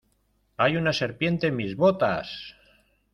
¡ Hay una serpiente en mis botas!